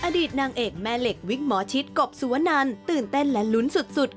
อดีตนางเอกแม่เหล็กวิกหมอชิดกบสุวนันตื่นเต้นและลุ้นสุด